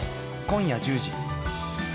今夜１０時。